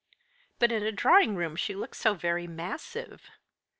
But in a drawing room she looks so very massive."